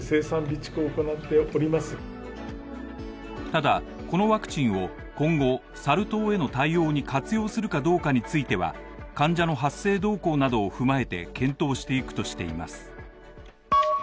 ただ、このワクチンを今後サル痘への対応に活用するかどうかについては患者の発生動向などを踏まえて検討していくとしています。